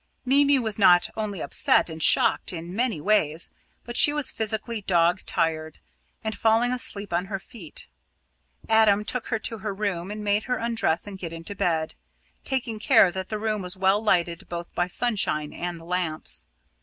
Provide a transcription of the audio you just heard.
Mimi was not only upset and shocked in many ways, but she was physically "dog tired," and falling asleep on her feet. Adam took her to her room and made her undress and get into bed, taking care that the room was well lighted both by sunshine and lamps.